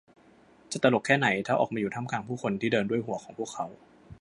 จะตลกแค่ไหน ถ้าออกมาอยู่ท่ามกลางผู้คนที่เดินด้วยหัวของพวกเขา